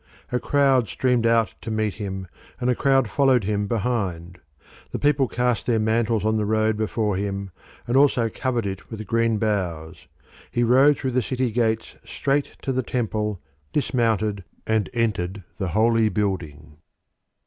A crowd streamed out to meet him, and a crowd followed him behind. The people cast their mantles on the road before him, and also covered it with green boughs. He rode through the city gates straight to the Temple, dismounted, and entered the holy building.